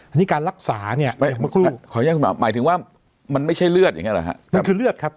อันนี้การรักษาขออย่างหน่อยหมายถึงว่ามันไม่ใช่เลือดอย่างนี้หรือครับ